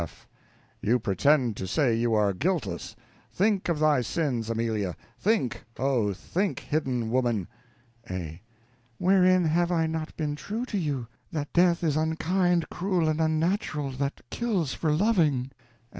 F. You pretend to say you are guiltless! Think of thy sins, Amelia; think, oh, think, hidden woman. A. Wherein have I not been true to you? That death is unkind, cruel, and unnatural, that kills for living.